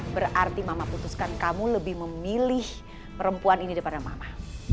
berarti mama putuskan kamu lebih memilih perempuan ini daripada mama